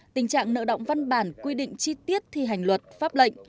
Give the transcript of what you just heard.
tình trạng nợ động văn bản quy định chi tiết thi hành luật pháp lệnh